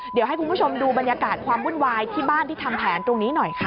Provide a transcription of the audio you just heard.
เดี๋ยวให้คุณผู้ชมดูบรรยากาศความวุ่นวายที่บ้านที่ทำแผนตรงนี้หน่อยค่ะ